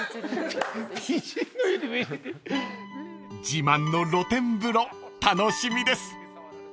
［自慢の露天風呂楽しみです］